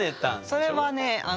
それはね